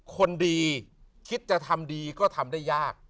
คนดีคิดจะทำดีก็ทำได้ยาก